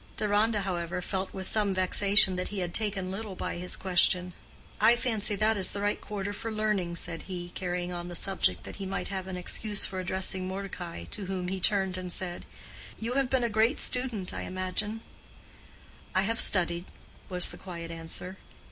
Deronda, however, felt with some vexation that he had taken little by his question. "I fancy that is the right quarter for learning," said he, carrying on the subject that he might have an excuse for addressing Mordecai, to whom he turned and said, "You have been a great student, I imagine?" "I have studied," was the quiet answer.